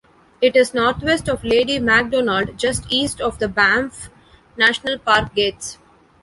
It is northwest of Lady Macdonald, just east of the Banff National Park gates.